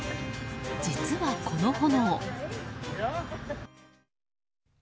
実は、この炎。